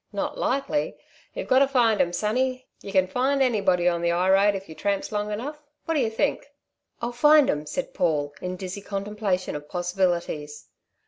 Not likely. You've got to find 'em sonny. Yer can find anybody on the 'ighroad if yer tramps long enough. What d'yer think?" "I'll find 'em," said Paul, in dizzy contemplation of possibilities.